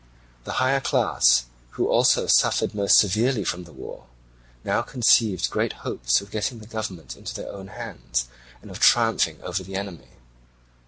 The higher class, who also suffered most severely from the war, now conceived great hopes of getting the government into their own hands, and of triumphing over the enemy.